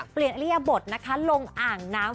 เปลี่ยนเรียบบทนะคะลงอ่างน้ำ